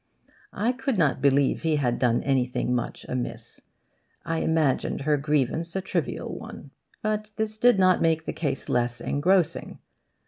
I could not believe he had done anything much amiss. I imagined her grievance a trivial one. But this did not make the case less engrossing.